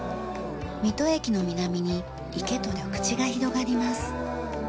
水戸駅の南に池と緑地が広がります。